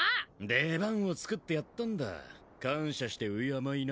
出番をつくってやったんだ。感謝して敬いな。